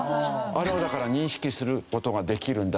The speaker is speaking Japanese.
あれをだから認識する事ができるんだそうですね。